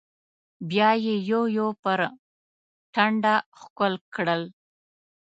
بيا يې يو يو پر ټنډه ښکل کړل.